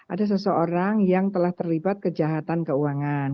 ada seseorang yang telah terlibat kejahatan keuangan